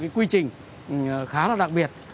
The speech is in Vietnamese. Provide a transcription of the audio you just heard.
quy trình khá là đặc biệt